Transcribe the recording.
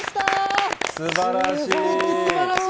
すばらしい。